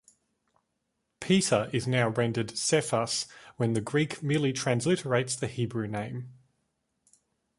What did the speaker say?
"Peter" is now rendered "Cephas" when the Greek merely transliterates the Hebrew name.